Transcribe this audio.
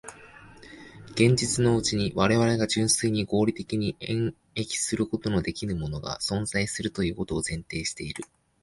現実のうちに我々が純粋に合理的に演繹することのできぬものが存在するということを前提している。